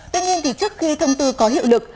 tuy nhiên trước khi thông tư có hiệu lực